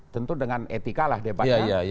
tentu dengan etika lah debatnya